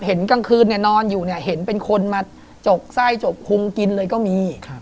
กลางคืนนอนอยู่เนี่ยเห็นเป็นคนมาจกไส้จกพุงกินเลยก็มี